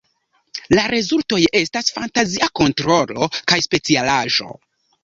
La rezultoj estas fantazia kontrolo kaj specialaĵo.